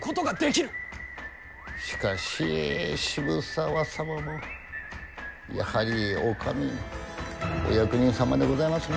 しかし、渋沢様もやはりお上のお役人様でございますな。